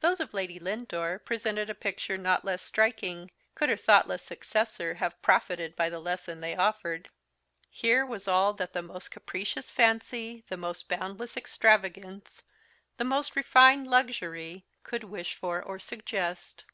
Those of Lady Lindore presented a picture not less striking, could her thoughtless successor have profited by the lesson they offered. Here was all that the most capricious fancy, the most boundless extravagance, the most refined luxury, could wish for or suggest.